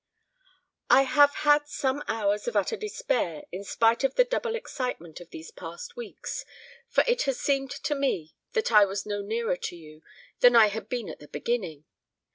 "I have had some hours of utter despair, in spite of the double excitement of these past weeks, for it has seemed to me that I was no nearer to you than I had been in the beginning.